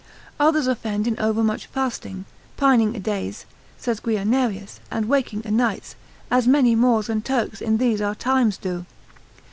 Others offend in overmuch fasting: pining adays, saith Guianerius, and waking anights, as many Moors and Turks in these our times do.